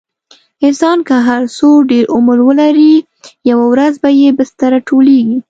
انسان که هر څو ډېر عمر ولري، یوه ورځ به یې بستره ټولېږي.